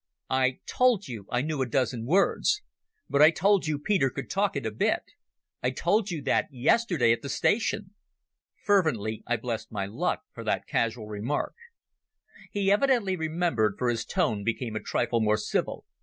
"I told you I knew a dozen words. But I told you Peter could talk it a bit. I told you that yesterday at the station." Fervently I blessed my luck for that casual remark. He evidently remembered, for his tone became a trifle more civil.